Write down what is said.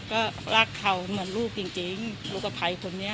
ก็รักเขาเหมือนลูกจริงลูกสะพัยคนนี้